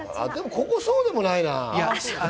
ここはそうでもないな。